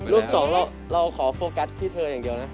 สองเราขอโฟกัสที่เธออย่างเดียวนะ